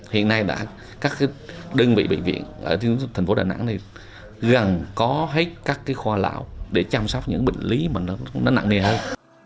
hiện nay các đơn vị bệnh viện ở thành phố đà nẵng gần có hết các cái khoa lão để chăm sóc những bệnh lý mà nó nặng nề hơn